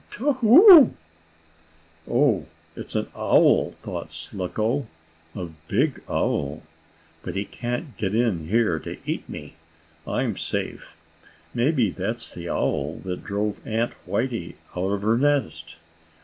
Tu whoo!" "Oh, it's an owl!" thought Slicko. "A big owl. But he can't get in here to eat me. I'm safe. Maybe that's the owl that drove Aunt Whitey out of her nest."